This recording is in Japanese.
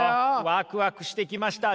ワクワクしてきました。